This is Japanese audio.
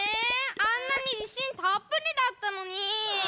あんなにじしんたっぷりだったのに！